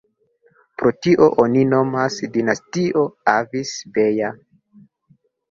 Pro tio oni nomas Dinastio Avis-Beja.